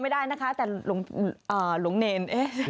ไม่ได้นะครับแต่ลูกเนน